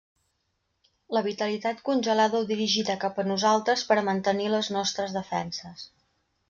La vitalitat congelada o dirigida cap a nosaltres per a mantenir les nostres defenses.